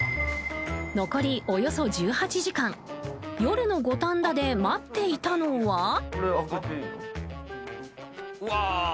残りおよそ１８時間夜の五反田で待っていたのは。